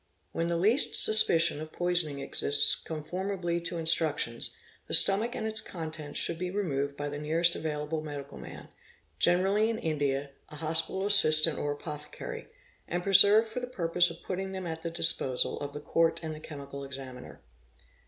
When the least suspicion of poisoning exists conformably to1 structions, the stomach and its contents should be removed by the near available medical man, generally in India an hospital assistant or apotl cary, and preserved for the purpose of putting them at the disposal POISONING 657 the Court and the Chemical Examiner.